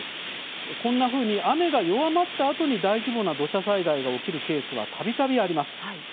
こんなふうに雨が弱まったあとに大規模な土砂災害が起きるケースは、たびたびあります。